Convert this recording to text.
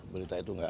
berita itu gak ada